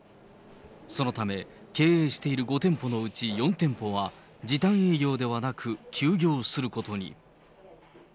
そのため、経営している５店舗のうち４店舗は、時短営業ではなく、休業することに。